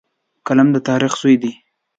قلم د تاریخ زوی دی